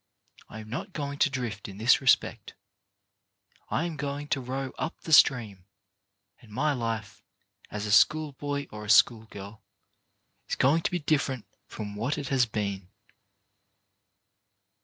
I am not going to drift in this respect. I am going to row up the stream; and my life, as a schoolboy or a schoolgirl, is going to be different from what it has been."